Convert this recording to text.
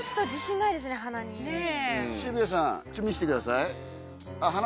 渋谷さん見してください。